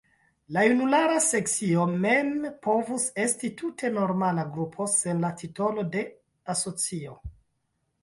La junulara asocio mem povus esti tute normala grupo, sen la titolo de asocio.